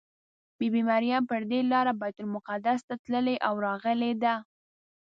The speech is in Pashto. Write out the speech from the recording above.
بي بي مریم پر دې لاره بیت المقدس ته تللې او راغلې ده.